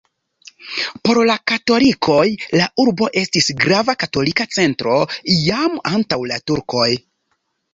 Por la katolikoj la urbo estis grava katolika centro jam antaŭ la turkoj.